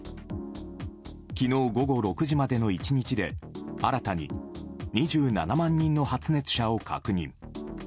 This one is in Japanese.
昨日午後６時までの１日で新たに２７万人の発熱者を確認。